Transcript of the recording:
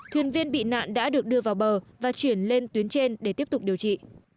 thuyền viên bị nạn đã được đưa vào bờ và chuyển lên tuyến trên để tiếp tục điều trị